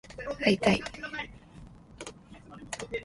会いたい